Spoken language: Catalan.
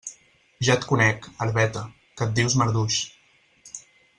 Ja et conec, herbeta, que et dius marduix.